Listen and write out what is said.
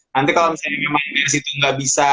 nanti kalau misalnya memang dari situ nggak bisa